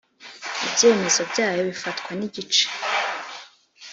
Ibyemezo byayo bifatwa n igice